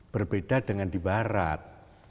berbeda dengan di barat